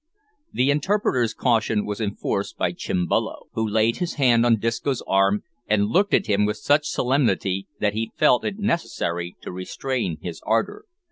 The interpreter's caution was enforced by Chimbolo, who laid his hand on Disco's arm, and looked at him with such solemnity that he felt it necessary to restrain his ardour.